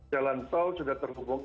jalan tol sudah terhubung